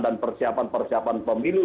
dan persiapan persiapan pemilu